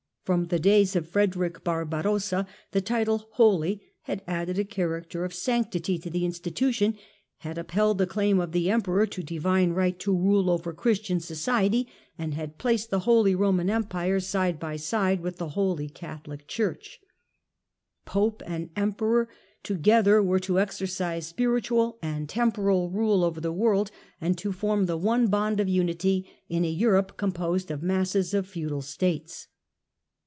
Empire From the days of Frederick Barbarossa the title " Holy " had added a character of sanctity to the institution, had upheld the claim of the Emperor to divine right to rule over Christian society, and had placed the " Holy Roman Empire " side by side with the " Holy Catholic Church ". X 2 THE END OF THE MIDDLE AGE Pope and Emperor together were to exercise spiritual and temporal rule over the world, and to form the one bond of unity in a Europe composed of masses of feudal States.